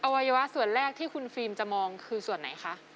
วัยวะส่วนแรกที่คุณฟิล์มจะมองคือส่วนไหนคะ